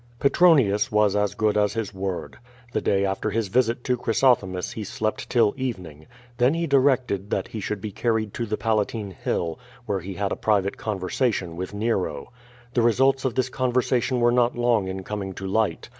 Petroniiis was as good as his word. The day after his visit to Chrysothcmis he slept till evening. Tlien he dirccle<l that he should be carried to the Palatine Hill, where he had a private conversation with Nero. The results of this conver sation were not long in coming to light.